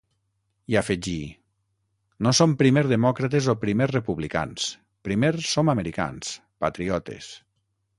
I afegí: No som primer demòcrates o primer republicans, primer som americans, patriotes.